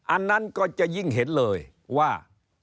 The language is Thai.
อันนั้นก็จะยิ่งเห็นเลยว่า